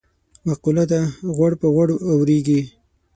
مقوله ده: غوړ په غوړو اورېږي.